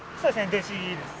弟子ですね。